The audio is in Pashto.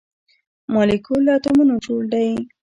مالیکول له اتومونو جوړ دی